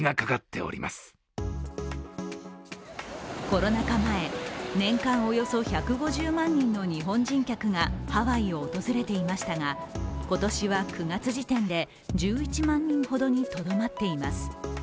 コロナ禍前、年間およそ１５０万人の日本人客がハワイを訪れていましたが今年は９月時点で１１万人ほどにとどまっています。